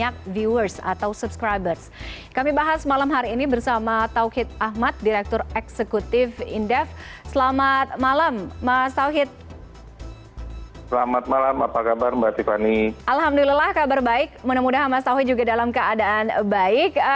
alhamdulillah kabar baik mudah mudahan mas tauhi juga dalam keadaan baik